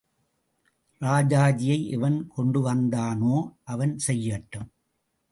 ராஜாஜியை எவன் கொண்டுவந்தானோ அவன் செய்யட்டும்.